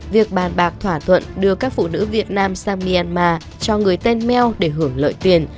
phủ nhận việc bàn bạc thỏa thuận đưa các phụ nữ việt nam sang myanmar cho người tên mel để hưởng lợi tiền